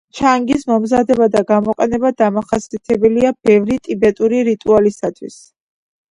ჩანგის მომზადება და გამოყენება დამახასიათებელია ბევრი ტიბეტური რიტუალისთვის.